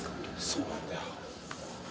そうなんだよ。